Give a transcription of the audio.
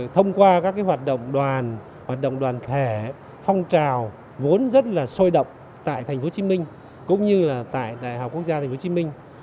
thông qua các hoạt động đoàn hoạt động đoàn khẻ phong trào vốn rất là sôi động tại tp hcm cũng như là tại đại học quốc gia tp hcm